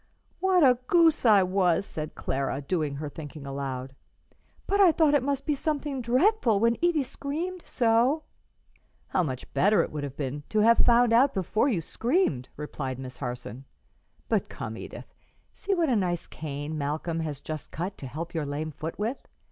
"What a goose I was!" said Clara, doing her thinking aloud. "But I thought it must be something dreadful, when Edie screamed so." "How much better it would have been to have found out before you screamed!" replied Miss Harson. "But come, Edith; see what a nice cane Malcolm has just cut to help your lame foot with.